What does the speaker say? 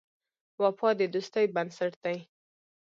وفا د دوستۍ بنسټ دی.